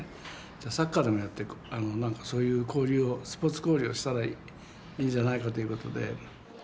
じゃあサッカーでもやってそういう交流をスポーツ交流をしたらいいんじゃないかということで。